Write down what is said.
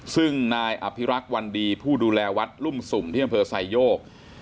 ซึ่งนายอภิรักษ์วันดีผู้ดูแลวัดรุ่มสุ่มที่อำเภอไซโยก